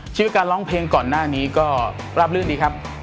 ชื่อการร้องเพลงก่อนหน้านี้ก็ราบรื่นดีครับ